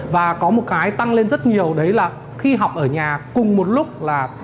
và có một cái tăng lên rất nhiều đấy là khi học ở nhà cùng một lúc là